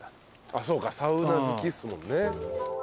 そうかサウナ好きっすもんね。